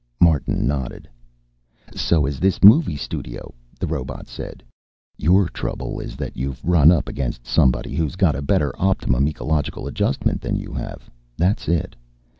Martin nodded. "So is this movie studio," the robot said. "Your trouble is that you've run up against somebody who's got a better optimum ecological adjustment than you have. That's it.